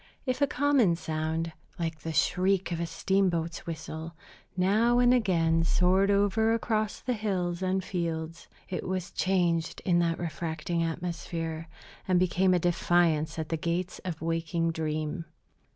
If a common sound, like the shriek of a steamboat's whistle, now and again soared over across the hills and fields, it was changed in that refracting atmosphere, and became a defiance at the gates of waking dream.